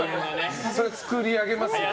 そりゃ作り上げますよね。